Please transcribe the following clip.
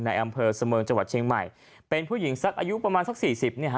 ในอำเภอเสมิงจังหวัดเชียงใหม่เป็นผู้หญิงสักอายุประมาณสักสี่สิบเนี่ยฮ